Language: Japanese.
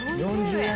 「４０円